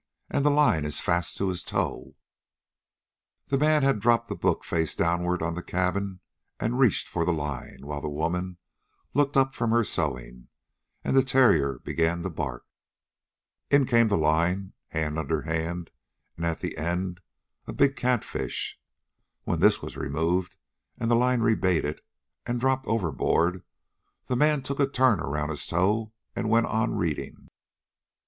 And the line is fast to his toe!" The man had dropped the book face downward on the cabin and reached for the line, while the woman looked up from her sewing, and the terrier began to bark. In came the line, hand under hand, and at the end a big catfish. When this was removed, and the line rebaited and dropped overboard, the man took a turn around his toe and went on reading.